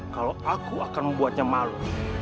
kalau aku akan membuatnya malu